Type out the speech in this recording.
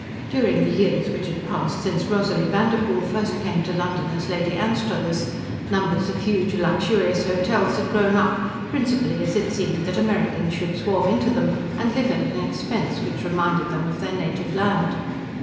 ..... During the years which had passed since Rosalie Vanderpoel first came to London as Lady Anstruthers, numbers of huge luxurious hotels had grown up, principally, as it seemed, that Americans should swarm into them and live at an expense which reminded them of their native land.